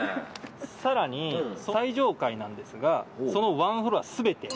更に最上階なんですがそのワンフロア全て。